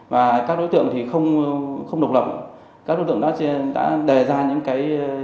và các đối tượng thì không độc lập các đối tượng đã đề ra những cái